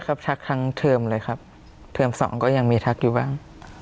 ก็ทักทั้งเทอมเลยครับเทอมสองก็ยังมีทักอยู่บ้าง